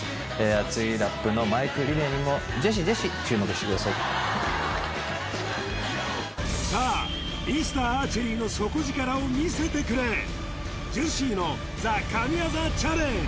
熱いラップのマイクリレーにもジェシジェシ注目してくださいさあミスターアーチェリーの底力を見せてくれジェシーのＴＨＥ神業チャレンジ